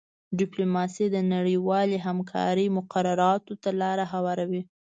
ډیپلوماسي د نړیوالې همکارۍ مقرراتو ته لاره هواروي